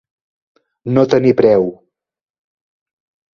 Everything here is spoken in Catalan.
No tenir preu.